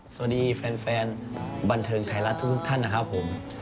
สวัสดีแฟนบันเทิงไทยรัฐทุกท่านนะครับผม